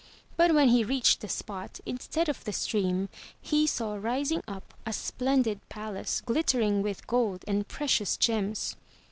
But when he reached the spot, instead of the stream, he saw rising up a splendid palace glittering with gold and precious gems.